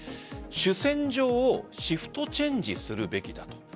１主戦場をシフトチェンジするべきだと。